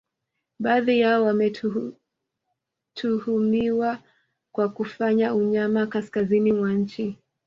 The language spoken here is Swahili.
Baadhi yao wametuhumiwa kwa kufanya unyama kaskazini mwa nchi